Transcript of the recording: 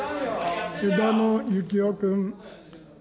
枝野幸男君。